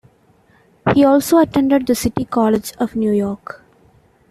He also attended the City College of New York.